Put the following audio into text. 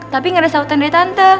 tapi gak ada sahutan dari tante